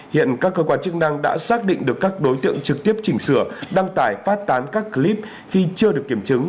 hiện các cơ quan chức năng đã xác định được các đối tượng trực tiếp chỉnh sửa đăng tải phát tán các clip khi chưa được kiểm chứng